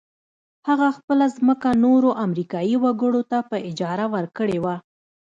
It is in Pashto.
هغه خپله ځمکه نورو امريکايي وګړو ته په اجاره ورکړې وه.